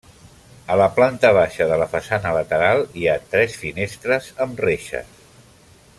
A la planta baixa de la façana lateral hi ha tres finestres amb reixes.